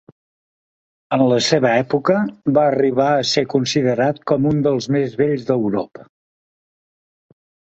En la seva època, va arribar a ser considerat com un dels més bells d'Europa.